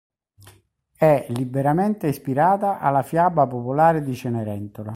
È liberamente ispirata alla fiaba popolare di Cenerentola.